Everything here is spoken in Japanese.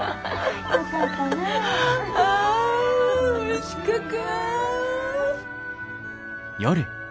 あおいしかか？